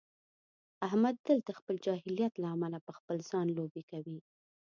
احمد تل د خپل جاهلیت له امله په خپل ځان لوبې کوي.